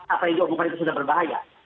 apa yang dilakukan itu sudah berbahaya